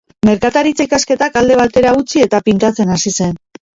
Merkataritza-ikasketak alde batera utzi eta pintatzen hasi zen.